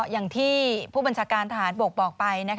อย่างที่ผู้บัญชาการทหารบกบอกไป